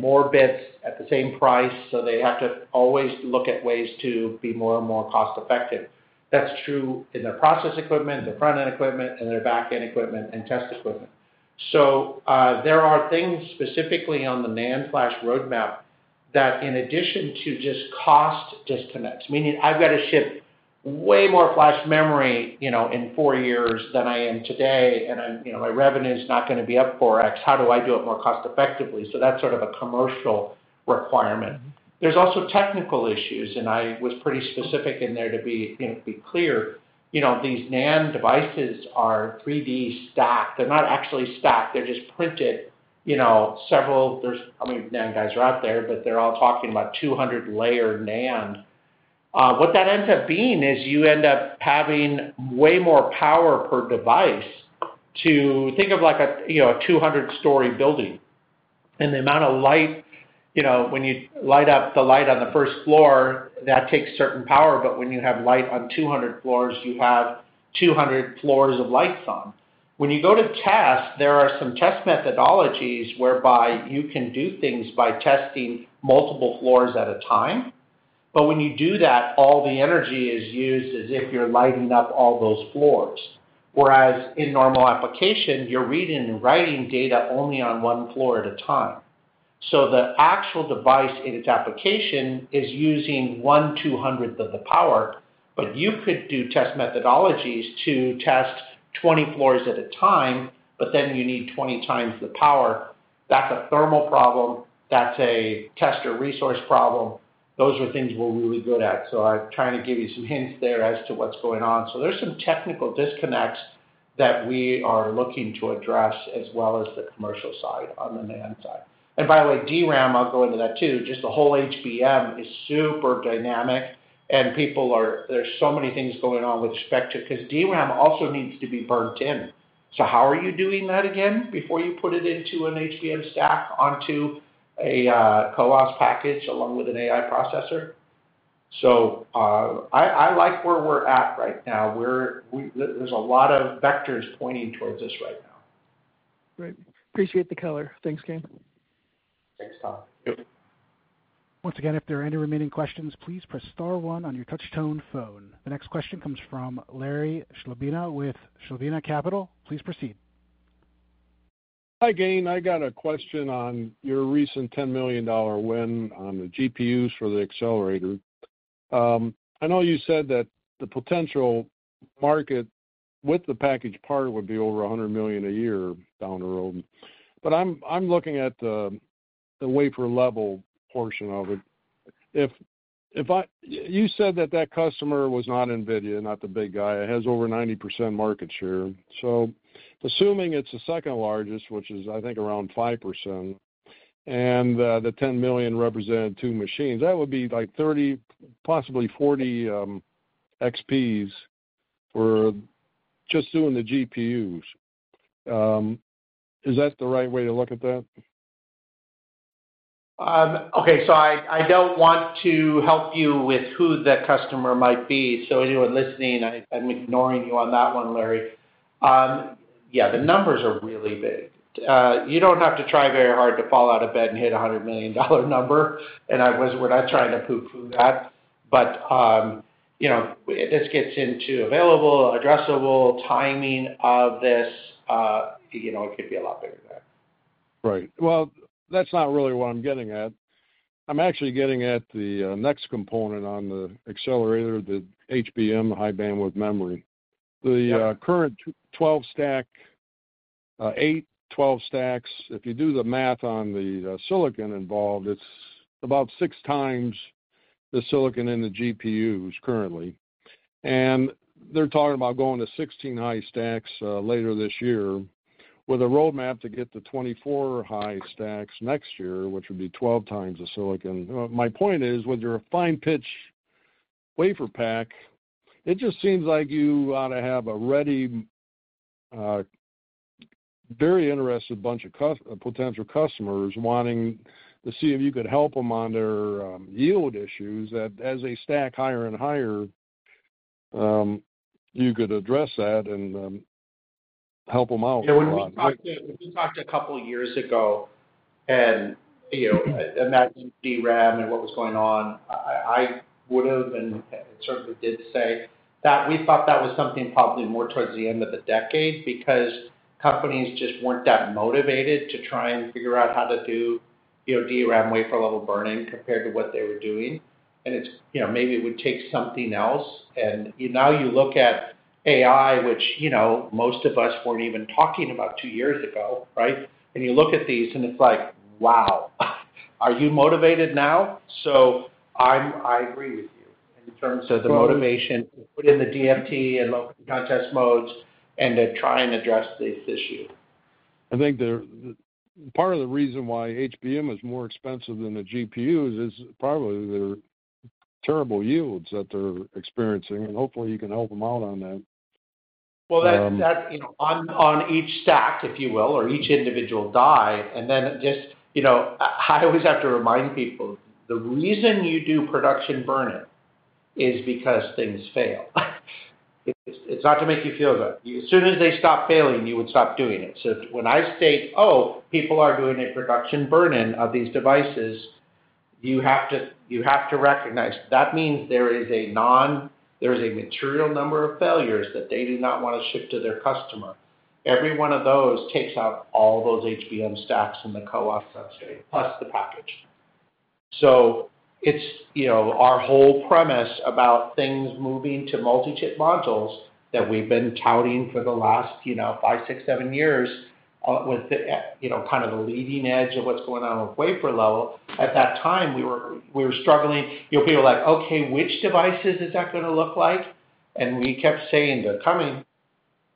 more bits at the same price. So they have to always look at ways to be more and more cost-effective. That's true in their process equipment, their front-end equipment, and their back-end equipment and test equipment. So there are things specifically on the NAND flash roadmap that, in addition to just cost disconnects, meaning I've got to ship way more flash memory in four years than I am today, and my revenue is not going to be up 4X, how do I do it more cost-effectively? So that's sort of a commercial requirement. There's also technical issues. And I was pretty specific in there to be clear. These NAND devices are 3D stacked. They're not actually stacked. They're just printed several. I mean, NAND guys are out there, but they're all talking about 200-layer NAND. What that ends up being is you end up having way more power per device to think of like a 200-story building. And the amount of light, when you light up the light on the first floor, that takes certain power. But when you have light on 200 floors, you have 200 floors of lights on. When you go to test, there are some test methodologies whereby you can do things by testing multiple floors at a time. But when you do that, all the energy is used as if you're lighting up all those floors. Whereas in normal application, you're reading and writing data only on one floor at a time. So the actual device in its application is using one 200th of the power. But you could do test methodologies to test 20 floors at a time, but then you need 20 times the power. That's a thermal problem. That's a test or resource problem. Those are things we're really good at. So I'm trying to give you some hints there as to what's going on. So there's some technical disconnects that we are looking to address as well as the commercial side on the NAND side. And by the way, DRAM, I'll go into that too. Just the whole HBM is super dynamic. And there's so many things going on with sector because DRAM also needs to be burned in. So how are you doing that again before you put it into an HBM stack onto a CoWoS package along with an AI processor? So I like where we're at right now. There's a lot of vectors pointing towards this right now. Great. Appreciate the color. Thanks, Gayn. Thanks, Tom. Yep. Once again, if there are any remaining questions, please press star one on your touch-tone phone. The next question comes from Larry Chlebina with Chlebina Capital. Please proceed. Hi, Gayn. I got a question on your recent $10 million win on the GPUs for the accelerator. I know you said that the potential market with the package part would be over $100 million a year down the road. But I'm looking at the wafer level portion of it. You said that that customer was not NVIDIA, not the big guy. It has over 90% market share. So assuming it's the second largest, which is, I think, around 5%, and the $10 million represented two machines, that would be like 30, possibly 40 XPs for just doing the GPUs. Is that the right way to look at that? Okay. So I don't want to help you with who the customer might be. So anyone listening, I'm ignoring you on that one, Larry. Yeah, the numbers are really big. You don't have to try very hard to fall out of bed and hit a $100 million number, and we're not trying to pooh-pooh that, but this gets into available, addressable, timing of this. It could be a lot bigger than that. Right. Well, that's not really what I'm getting at. I'm actually getting at the next component on the accelerator, the HBM, the high-bandwidth memory. The current 12-stack, 8, 12 stacks, if you do the math on the silicon involved, it's about six times the silicon in the GPUs currently, and they're talking about going to 16-high stacks later this year with a roadmap to get to 24-high stacks next year, which would be 12 times the silicon. My point is, with your fine-pitch WaferPak, it just seems like you ought to have a very interested bunch of potential customers wanting to see if you could help them on their yield issues that, as they stack higher and higher, you could address that and help them out. Yeah. When we talked a couple of years ago and imagined DRAM and what was going on, I would have and certainly did say that we thought that was something probably more towards the end of the decade because companies just weren't that motivated to try and figure out how to do DRAM wafer-level burn-in compared to what they were doing. And maybe it would take something else. And now you look at AI, which most of us weren't even talking about two years ago, right? And you look at these, and it's like, "Wow. Are you motivated now?" So I agree with you in terms of the motivation to put in the DFT and local test modes and to try and address this issue. I think part of the reason why HBM is more expensive than the GPUs is probably their terrible yields that they're experiencing. And hopefully, you can help them out on that. Well, that's on each stack, if you will, or each individual die. And then just I always have to remind people, the reason you do production burn-in is because things fail. It's not to make you feel good. As soon as they stop failing, you would stop doing it. So when I state, "Oh, people are doing a production burn-in of these devices," you have to recognize that means there is a material number of failures that they do not want to ship to their customer. Every one of those takes out all those HBM stacks in the CoWoS substrate plus the package. So it's our whole premise about things moving to multi-chip modules that we've been touting for the last five, six, seven years with kind of the leading edge of what's going on with wafer level. At that time, we were struggling. People were like, "Okay, which devices is that going to look like?" And we kept saying, "They're coming."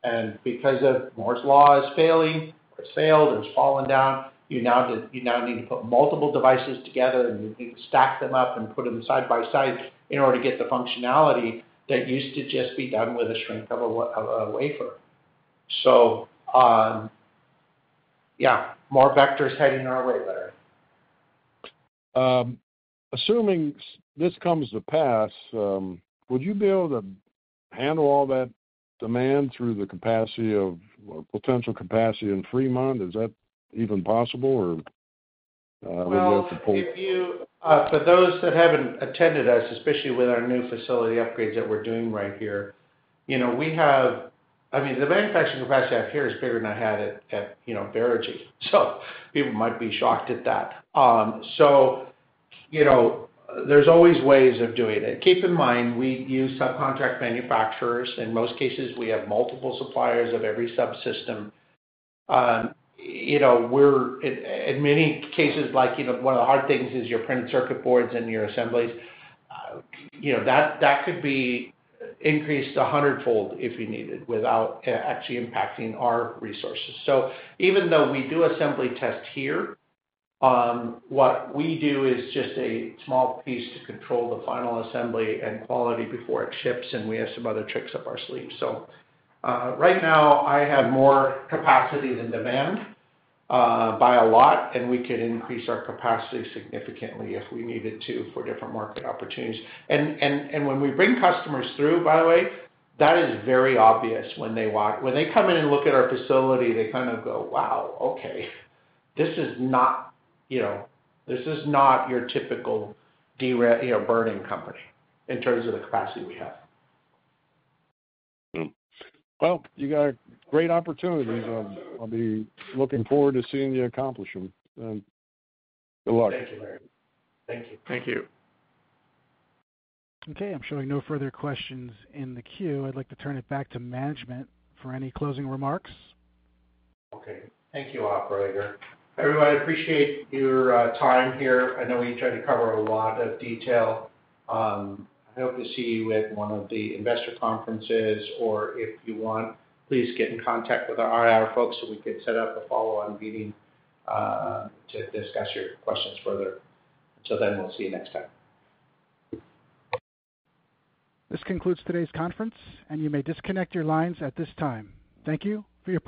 And because of Moore's Law is failing, or it's failed, or it's fallen down, you now need to put multiple devices together, and you need to stack them up and put them side by side in order to get the functionality that used to just be done with a shrink of a wafer. So yeah, more vectors heading our way, Larry. Assuming this comes to pass, would you be able to handle all that demand through the capacity of potential capacity in Fremont? Is that even possible, or would you have to pull? For those that haven't attended us, especially with our new facility upgrades that we're doing right here, we have. I mean, the manufacturing capacity out here is bigger than I had at Verigy. So people might be shocked at that. So there's always ways of doing it. Keep in mind, we use subcontract manufacturers. In most cases, we have multiple suppliers of every subsystem. In many cases, one of the hard things is your printed circuit boards and your assemblies. That could be increased a hundredfold if you need it without actually impacting our resources. So even though we do assembly tests here, what we do is just a small piece to control the final assembly and quality before it ships. And we have some other tricks up our sleeve. So right now, I have more capacity than demand by a lot. And we could increase our capacity significantly if we needed to for different market opportunities. And when we bring customers through, by the way, that is very obvious when they come in and look at our facility. They kind of go, "Wow, okay. This is not your typical burn-in company in terms of the capacity we have." Well, you got great opportunities. I'll be looking forward to seeing you accomplish them. Good luck. Thank you, Larry. Thank you. Thank you. Okay. I'm showing no further questions in the queue. I'd like to turn it back to management for any closing remarks. Okay. Thank you, Operator. Everyone, I appreciate your time here. I know we tried to cover a lot of detail. I hope to see you at one of the investor conferences. Or if you want, please get in contact with our folks so we can set up a follow-on meeting to discuss your questions further. Until then, we'll see you next time. This concludes today's conference, and you may disconnect your lines at this time. Thank you for your.